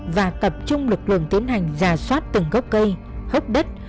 và tập trung lực lượng tiến hành rà soát từng gốc cây hấp đất